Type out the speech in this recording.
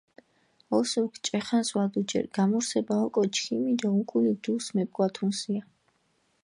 ოსურქ ჭე ხანს ვადუჯერ, გამორსება ოკო ჩქიმი დო უკული დუს მეპკვათუნსია.